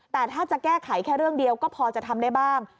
แต่ถ้าจะแก้ไขแค่เรื่องเดียวก็พอจะทำได้บ้าง